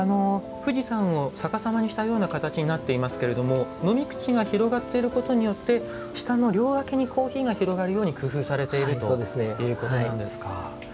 富士山を逆さまにしたような形になっていますけれども飲み口が広がっていることによって舌の両脇にコーヒーが広がるように工夫されているということなんですか。